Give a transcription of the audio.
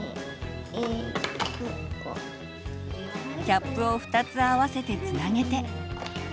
キャップを２つ合わせてつなげて。